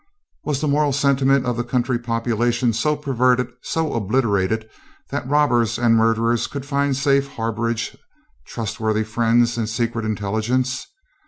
Was the moral sentiment of the country population so perverted, so obliterated, that robbers and murderers could find safe harbourage, trustworthy friends, and secret intelligence?